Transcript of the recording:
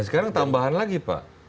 sekarang tambahan lagi pak